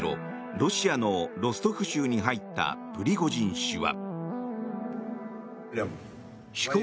ロシアのロストフ州に入ったプリゴジン氏は。